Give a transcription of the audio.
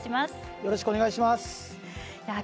よろしくお願いします。